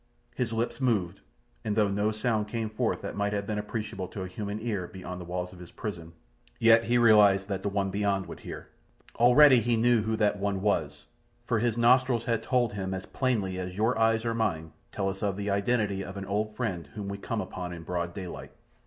His lips moved, and though no sound came forth that might have been appreciable to a human ear beyond the walls of his prison, yet he realized that the one beyond would hear. Already he knew who that one was, for his nostrils had told him as plainly as your eyes or mine tell us of the identity of an old friend whom we come upon in broad daylight.